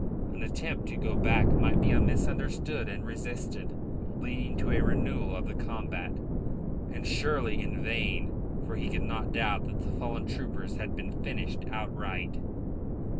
An attempt to go back might be misunderstood and resisted, leading to a renewal of the combat, and surely in vain, for he could not doubt but that the fallen troopers had been finished outright.